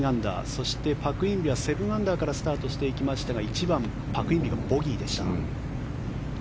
そしてパク・インビは７アンダーからスタートしていきましたが１番、パク・インビがボギーでした。